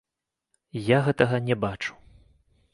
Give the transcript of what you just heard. Я гэтага не бачу.